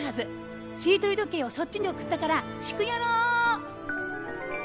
しりとりどけいをそっちにおくったからシクヨロ！